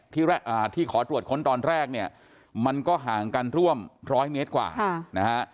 ที่ขอตรวจค้นตอนแรกเนี่ยมันก็ห่างกันร่วมร้อยเมตรกว่านะฮะ